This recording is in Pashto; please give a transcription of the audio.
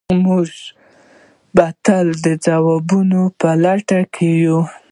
موږ به تل د ځوابونو په لټه کې یو.